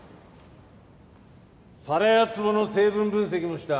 皿やつぼの成分分析もした。